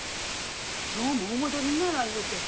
今日もお戻りにならんゆうて。